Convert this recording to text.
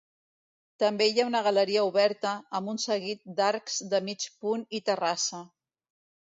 També hi ha una galeria oberta, amb un seguit d'arcs de mig punt i terrassa.